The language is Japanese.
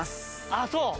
ああそう。